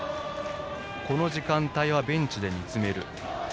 この時間帯はベンチで見つめる。